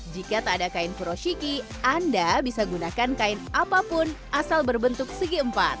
jika tak ada kain furoshiki anda bisa gunakan kain apapun asal berbentuk segi empat